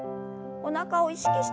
おなかを意識して。